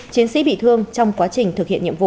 chiến sĩ bị thương trong quá trình thực hiện nhiệm vụ